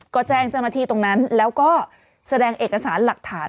ก็แจ้งเจ้าหน้าที่ตรงนั้นแล้วก็แสดงเอกสารหลักฐาน